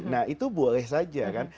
nah itu boleh saja kan